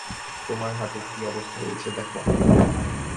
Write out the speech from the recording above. তোমার হাতের কি অবস্থা হয়েছে দেখো।